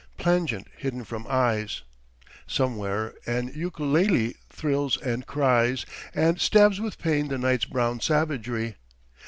Plangent, hidden from eyes, Somewhere an eukaleli thrills and cries And stabs with pain the night's brown savagery.